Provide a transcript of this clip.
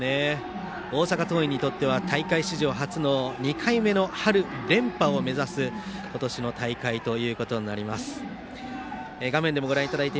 大阪桐蔭にとっては大会史上初の２回目の春連覇を目指す今年の大会ということになります。